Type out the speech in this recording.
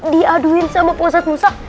diaduin sama poset musa